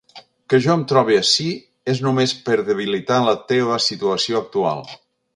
Que jo em trobe ací és només per debilitar la teva situació actual.